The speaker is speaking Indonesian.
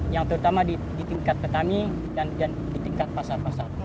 yang terutama di tingkat petani dan di tingkat pasar pasar